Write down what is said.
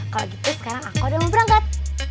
kalau gitu sekarang aku udah mau berangkat